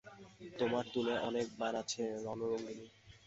তোমার তূণে অনেক বাণ আছে রণরঙ্গিণী!